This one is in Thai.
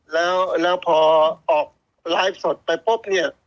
แล้วพอออกไลฟ์สดไปพบ